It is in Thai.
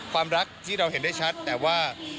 ความรักที่เราเห็นได้ชัดแต่ว่า